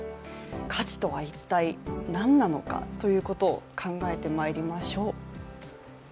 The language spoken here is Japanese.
価値とは一体なんなのかということを考えてまいりましょう。